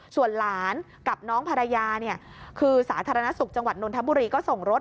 ศาลณสุขจังหวัดนนทบุรีก็ส่งรถ